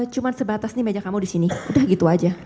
cuma sebatas nih meja kamu di sini udah gitu aja